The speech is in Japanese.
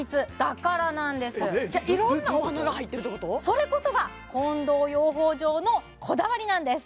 それこそが近藤養蜂場のこだわりなんです